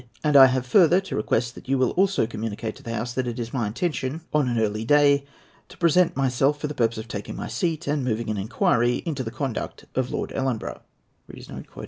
And I have further to request that you will also communicate to the House that it is my intention, on an early day, to present myself for the purpose of taking my seat and moving an inquiry into the conduct of Lord Ellenborough."